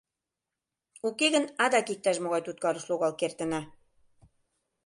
Уке гын адак иктаж-могай туткарыш логал кертына.